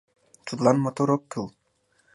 Тудлан мотор ок кӱл.